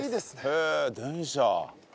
へえ電車。